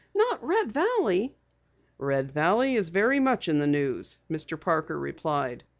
"Not Red Valley?" "Red Valley is very much in the news," Mr. Parker replied.